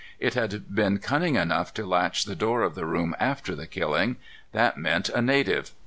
It had been cunning enough to latch the door of the room after the killing. That meant a native.